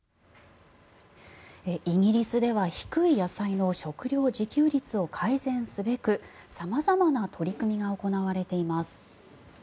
イギリスでは低い野菜の食料自給率を改善すべく様々な取り組みが行われています。